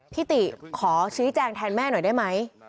พี่ติขอชิ้นที่แจ้งแทนแม่หน่อยได้มั้ย